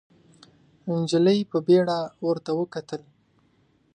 نجلۍ په بيړه ورته وکتل.